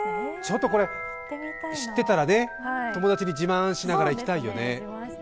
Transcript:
知ってたら、友達に自慢しながら行きたいよね。